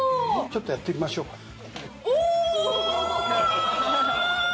ちょっとやってみましょうかおお！